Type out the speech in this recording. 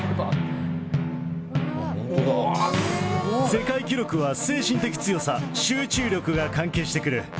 世界記録は、精神的強さ、集中力が関係してくる。